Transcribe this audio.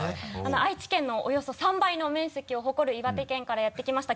愛知県のおよそ３倍の面積を誇る岩手県からやって来ました。